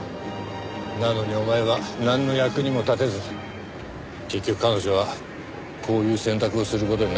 なのにお前はなんの役にも立てず結局彼女はこういう選択をする事になったわけか。